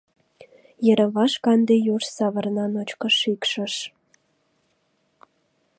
Йырым-ваш канде юж Савырна ночко шикшыш.